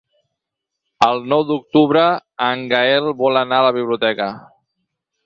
El nou d'octubre en Gaël vol anar a la biblioteca.